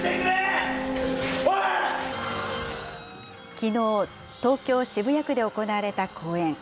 きのう、東京・渋谷区で行われた公演。